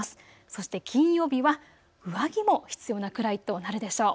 そして金曜日は上着も必要なくらいとなるでしょう。